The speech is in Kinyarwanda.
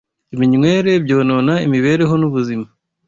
iminywere, byonona imibereho n’ubuzima